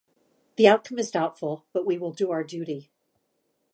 The outcome is doubtful, but we will do our duty.